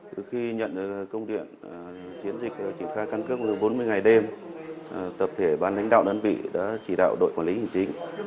từ khi nhận công điện chiến dịch triển khai căn cước bốn mươi ngày đêm tập thể ban đánh đạo đơn vị đã chỉ đạo đội quản lý hành chính